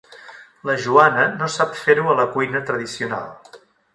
La Joana no sap fer-ho a la cuina tradicional.